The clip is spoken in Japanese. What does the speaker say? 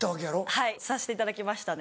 はいさせていただきましたね。